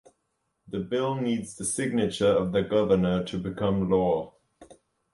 The bill needs the signature of the governor to become law.